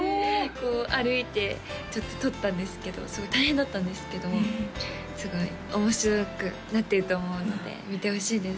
こう歩いて撮ったんですけどすごい大変だったんですけどすごい面白くなってると思うので見てほしいです